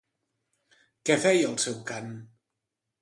Què feia el seu cant?